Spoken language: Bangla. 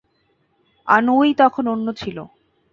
আনউই তখন অন্য ছিল।